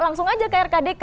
langsung aja ke rkdk